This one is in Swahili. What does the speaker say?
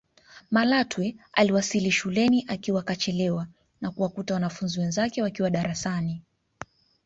Malatwe aliwasili shuleni akiwa kachelewa na kuwakuta wanafunzi wenzake wakiwa darasani